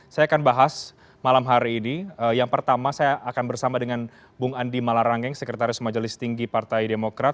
saya akan bahas malam hari ini yang pertama saya akan bersama dengan bung andi malarangeng sekretaris majelis tinggi partai demokrat